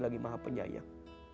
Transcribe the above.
lagi maha penyayang